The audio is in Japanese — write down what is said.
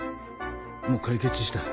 もう解決した。